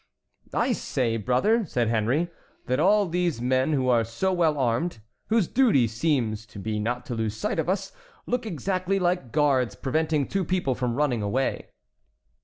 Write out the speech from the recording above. "I say, brother," said Henry, "that all these men who are so well armed, whose duty seems to be not to lose sight of us, look exactly like guards preventing two people from running away."